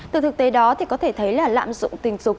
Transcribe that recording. từ thực tế đó thì có thể thấy là lạm dụng tình dục